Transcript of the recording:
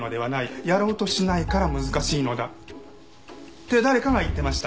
「やろうとしないから難しいのだ」って誰かが言ってました。